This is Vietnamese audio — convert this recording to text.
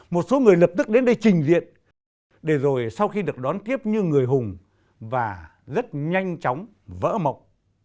một số người lập tức đến đây trình diện để rồi sau khi được đón tiếp như người hùng và rất nhanh chóng vỡ mọc